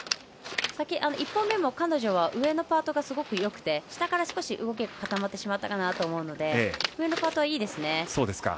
１本目も彼女は上のパートがすごくよくて、下から動きが固まってしまったかなと思うので上のパートはいいです。